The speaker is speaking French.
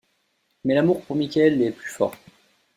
Mais l'amour pour Michael est plus fort.